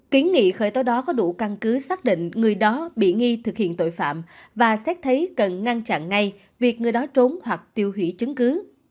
kiến nghị khởi tố đó có đủ căn cứ xác định người đó bị nghi thực hiện tội phạm và xét thấy cần ngăn chặn ngay việc người đó trốn hoặc tiêu hủy chứng cứ